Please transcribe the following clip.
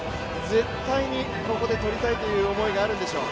絶対にここで取りたいという思いがあるでしょう。